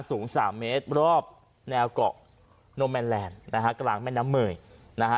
สูงสามเมตรรอบแนวเกาะโนแมนแลนด์นะฮะกลางแม่น้ำเมยนะฮะ